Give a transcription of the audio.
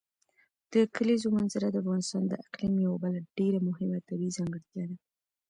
د کلیزو منظره د افغانستان د اقلیم یوه بله ډېره مهمه طبیعي ځانګړتیا ده.